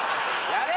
・やれ！